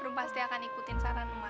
aduh pasti akan ikutin saran rumah